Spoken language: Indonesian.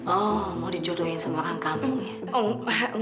oh mau dicodohin sama kakakmu ya